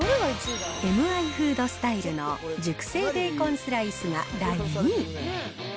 エムアイフードスタイルの熟成ベーコンスライスが第２位。